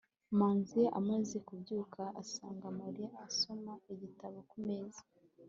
manzi amaze kubyuka, asanga mariya asoma igitabo ku meza